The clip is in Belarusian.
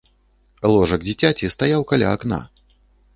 Ложак дзіцяці стаяў каля акна.